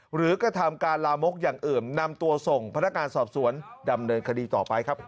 กระทำการลามกอย่างอื่นนำตัวส่งพนักงานสอบสวนดำเนินคดีต่อไปครับ